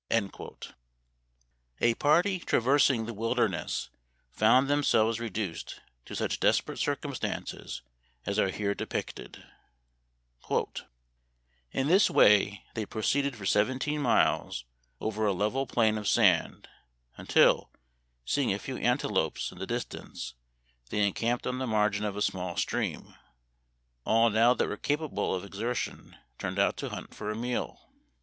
A party traversing the wilderness found themselves reduced to such desperate circum stances as are here depicted :" In this way they proceeded for seventeen miles over a level plain of sand until, seeing a few antelopes in the distance, they encamped on the margin of a small stream. All now that were capable of exertion turned out to hunt for a meal.